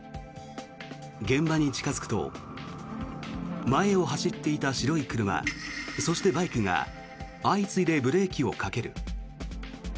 現場に近付くと前を走っていた白い車そしてバイクが相次いでブレーキをかける。